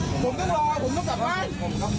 พี่ก็จอดไม่จอดส่วนอะไรนะ